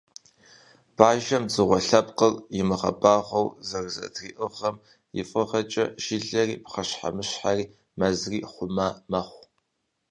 Бажэм дзыгъуэ лъэпкъыр имыгъэбагъуэу зэрызэтриӏыгъэм и фӏыгъэкӏэ, жылэри, пхъэщхьэмыщхьэри, мэзри хъума мэхъу.